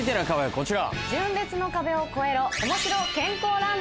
こちら。